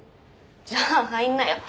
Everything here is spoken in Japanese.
じゃあ入んなよ。